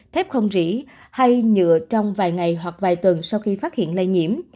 thép không rỉ hay nhựa trong vài ngày hoặc vài tuần sau khi phát hiện lây nhiễm